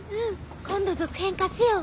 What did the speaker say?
今度続編貸すよ。